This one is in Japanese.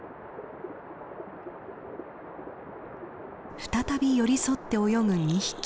再び寄り添って泳ぐ２匹。